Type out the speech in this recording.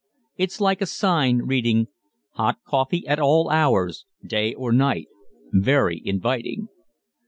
It's like a sign reading "Hot coffee at all hours, day or night" very inviting.